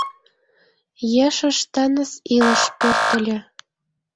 Ешыш тыныс илыш пӧртыльӧ.